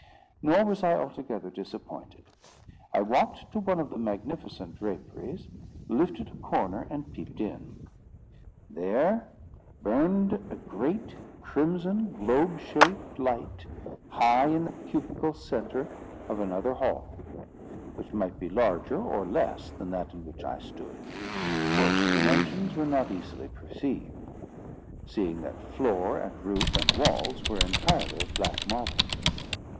Nor was I altogether disappointed. I walked to one of the magnificent draperies, lifted a corner, and peeped in. There, burned a great, crimson, globe shaped light, high in the cubical centre of another hall, which might be larger or less than that in which I stood, for its dimensions were not easily perceived, seeing that floor and roof and walls were entirely of black marble.